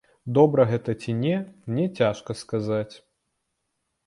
Добра гэта ці не, мне цяжка сказаць.